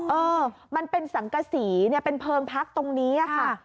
เออมันเป็นสังกษีเนี่ยเป็นเพลิงพักตรงนี้ค่ะ